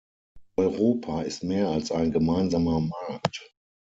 Europa ist mehr als ein Gemeinsamer Markt!